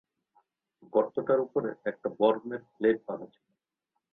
গর্তটার উপরে একটা বর্মের প্লেট বাঁধা ছিল।